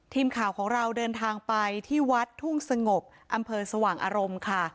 ทีมข่าวของเราเดินทางไปที่วัดทุ่งสงบอำเภอสว่างอารมณ์ค่ะ